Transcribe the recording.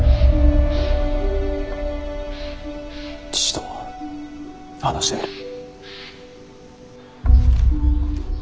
父と話してみる。